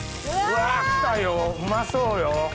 うわきたようまそうよ。